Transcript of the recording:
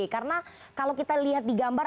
karena kalau kita lihat di gambar